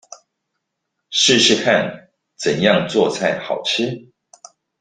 試試看怎樣做菜好吃